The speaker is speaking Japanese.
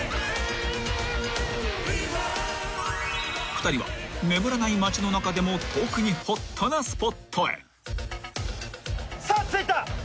［２人は眠らない街の中でも特にホットなスポットへ］